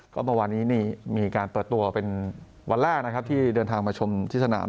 ก็เมื่อวานนี้นี่มีการเปิดตัวเป็นวันแรกนะครับที่เดินทางมาชมที่สนาม